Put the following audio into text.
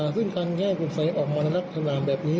ซึ่งการแยกบุษัยออกมาในลักษณะแบบนี้